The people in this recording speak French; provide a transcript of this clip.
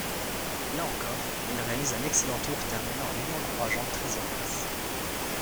Là encore, il réalise un excellent Tour terminant à une encourageante treizième place.